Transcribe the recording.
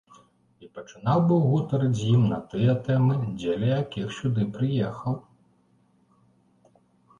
І пачынаў быў гутарыць з ім на тыя тэмы, дзеля якіх сюды прыехаў.